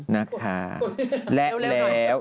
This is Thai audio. นะคะและแล้ว